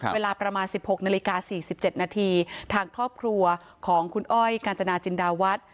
เวลาประมาณ๑๖นาฬิกา๔๗นาทีทางครอบครัวของคุณอ้อยกาญจนาจินดาวัฒน์